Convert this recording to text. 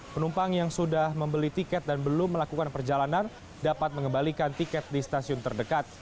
penumpang yang sudah membeli tiket dan belum melakukan perjalanan dapat mengembalikan tiket di stasiun terdekat